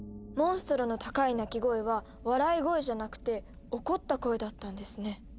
モンストロの高い鳴き声は笑い声じゃなくて怒った声だったんですね。